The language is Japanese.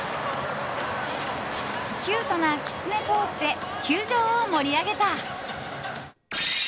キュートなきつねポーズで球場を盛り上げた。